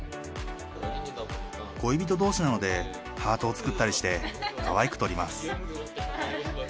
恋人同士なので、ハートを作ったりして、かわいく撮ります。